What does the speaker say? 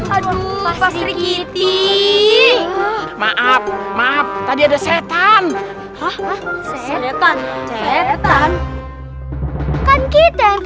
aduh pastrikiti maaf maaf tadi ada setan setan